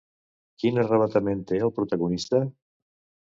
Quin arravatament té el protagonista?